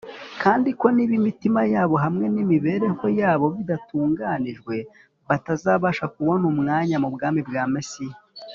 , kandi ko niba imitima yabo hamwe n’imibereho yabo bidatunganijwe batazabasha kubona umwanya mu bwami bwa Mesiya.